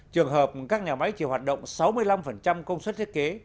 trường hợp các nhà máy chỉ hoạt động sáu mươi năm công suất thiết kế